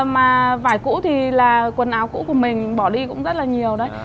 mà vải cũ thì là quần áo cũ của mình bỏ đi cũng rất là nhiều đấy